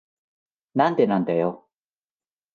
なんでなんだよ。